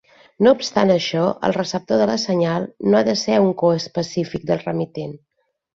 No obstant això, el receptor de la senyal no ha de ser un coespecífic del remitent.